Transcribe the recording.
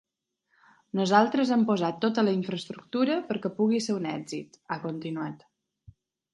“Nosaltres hem posat tota la infraestructura perquè pugui ser un èxit”, ha continuat.